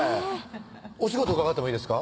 お仕事伺ってもいいですか？